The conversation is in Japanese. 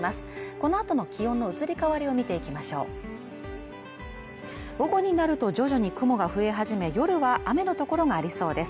このあとの気温の移り変わりを見ていきましょう午後になると徐々に雲が増え始め夜は雨の所がありそうです